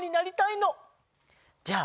じゃあ。